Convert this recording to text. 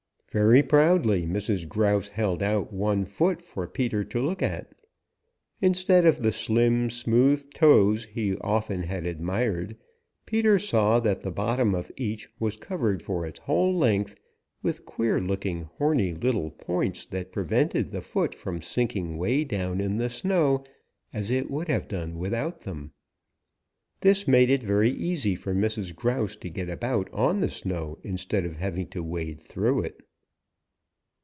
Very proudly Mrs. Grouse held out one foot for Peter to look at. Instead of the slim smooth toes he often had admired Peter saw that the bottom of each was covered for its whole length with queer looking, horny little points that prevented the foot from sinking way down in the snow as it would have done without them. This made it very easy for Mrs. Grouse to get about on the snow instead of having to wade through it.